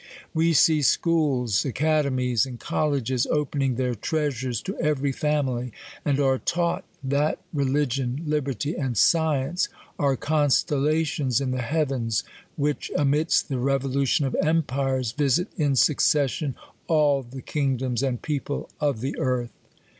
We see schools, academies, and colleges, opening their treasures to every family ; and are taught, that religion, liberty, and science, are constellations in the heavens, w^hich, amidst the revolution of empires, visit in succession, all the kingdoms and pro]>le of the earth.